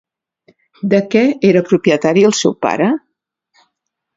De què era propietari el seu pare?